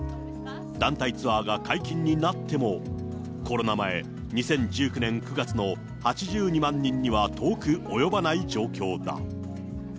団体ツアーが解禁になっても、コロナ前、２０１９年９月の８２万人には遠く及ばない状況だ。